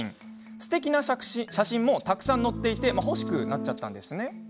すてきな写真もたくさん載っていて欲しくなっちゃいました。